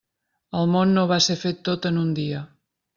El món no va ser fet tot en un dia.